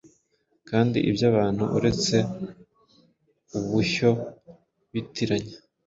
Kandi ibyo abantu urete ubuhyo bitiranya,